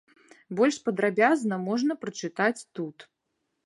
Больш падрабязна можна прачытаць тут.